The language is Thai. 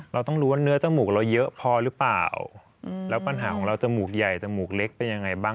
เราต้องรู้ว่าเนื้อจมูกเราเยอะพอหรือเปล่าแล้วปัญหาของเราจมูกใหญ่จมูกเล็กเป็นยังไงบ้าง